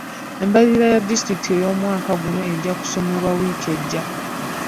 Embalirira ya disitulikiti ey'omwaka guno ejja kusomebwa wiiki ejja.